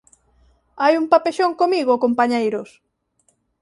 Hai un papexón comigo, compañeiros!